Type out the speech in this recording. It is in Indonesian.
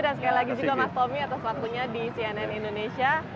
dan sekali lagi juga mas tommy atas waktunya di cnn indonesia